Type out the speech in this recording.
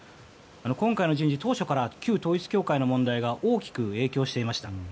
今回の人事当初から旧統一教会の問題が大きく影響していました。